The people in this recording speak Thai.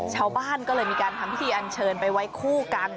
ชาวบ้านก็เลยมีการทำพิธีอันเชิญไปไว้คู่กัน